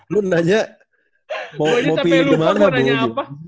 gue aja sampe lupa mau nanya apa